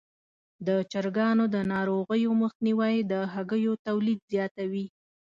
د چرګانو د ناروغیو مخنیوی د هګیو تولید زیاتوي.